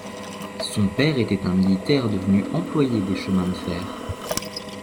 Son père était un militaire devenu employé des chemins de fer.